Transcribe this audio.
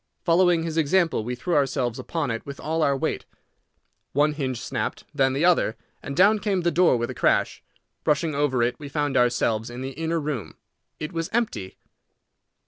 Following his example, we threw ourselves upon it with all our weight. One hinge snapped, then the other, and down came the door with a crash. Rushing over it, we found ourselves in the inner room. It was empty.